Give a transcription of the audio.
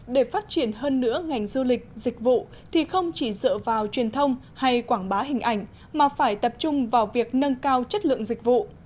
để phát triển hơn nữa ngành du lịch dịch vụ thì không chỉ dựa vào truyền thông hay quảng bá hình ảnh mà phải tập trung vào việc nâng cao chất lượng dịch vụ